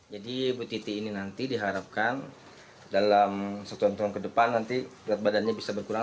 jadi ibu titi ini nanti diharapkan dalam satu tahun ke depan nanti berat badannya bisa berkurang